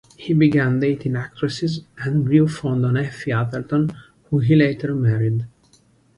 He began dating actresses and grew fond of Effie Atherton who he later married.